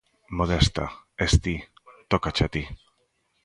Modesta, es ti, tócache a ti.